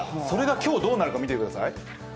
それが今日、どうなるか見てください。